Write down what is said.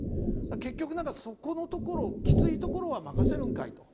結局、そこのところきついところは任せるんかいと。